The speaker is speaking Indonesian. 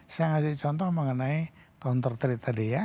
saya ngasih contoh mengenai counter trade tadi ya